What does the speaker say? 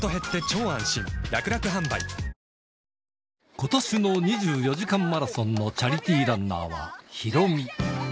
ことしの２４時間マラソンのチャリティーランナーはヒロミ。